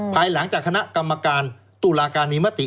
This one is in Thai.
ภายหลังจากคณะกรรมการตุลาการมีมติ